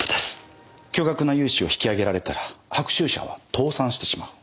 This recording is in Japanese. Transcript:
巨額な融資を引き上げられたら白秋社は倒産してしまう。